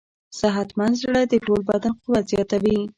صحتمند زړه د ټول بدن قوت زیاتوي.